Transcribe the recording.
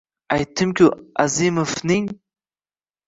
— Aytdim-ku, Azimovning…